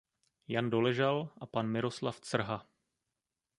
Jan Doležal a pan Miroslav Crha.